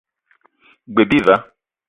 G-beu bi va.